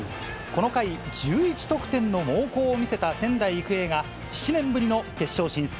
この回、１１得点の猛攻を見せた仙台育英が、７年ぶりの決勝進出